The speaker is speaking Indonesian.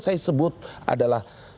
saya sebut adalah